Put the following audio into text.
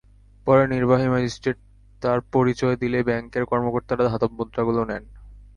পরে নির্বাহী ম্যাজিস্ট্রেট তাঁর পরিচয় দিলে ব্যাংকের কর্মকর্তারা ধাতব মুদ্রাগুলো নেন।